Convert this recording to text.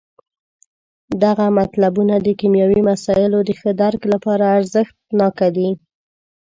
دغه مطلبونه د کیمیاوي مسایلو د ښه درک لپاره ارزښت ناکه دي.